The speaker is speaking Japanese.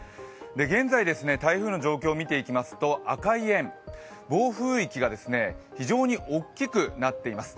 現在、台風の状況を見ていきますと赤い円、暴風域が非常に大きくなっています。